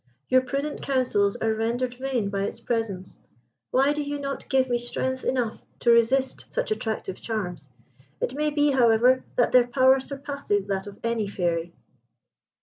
Your prudent counsels are rendered vain by its presence. Why do you not give me strength enough to resist such attractive charms? It may be, however, that their power surpasses that of any Fairy."